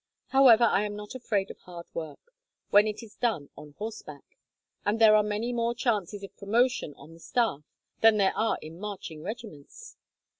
However, I am not afraid of hard work, when it is done on horseback, and there are many more chances of promotion on the staff than there are in marching regiments.